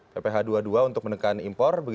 pph dua puluh dua untuk menekan impor